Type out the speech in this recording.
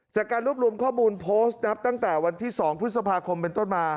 จากการรวบรวมข้อมูลโพสต์นะครับตั้งแต่วันที่๒พฤษภาคมเป็นต้นมา